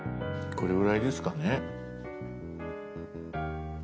これぐらいですかね。